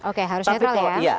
oke harus netral ya